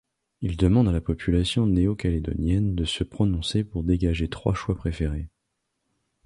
Il demande à la population néo-calédonienne de se prononcer pour dégager trois choix préférés.